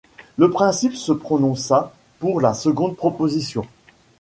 Le prince se prononça pour la seconde proposition.